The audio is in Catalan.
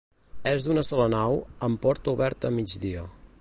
És d'una sola nau, amb porta oberta a migdia.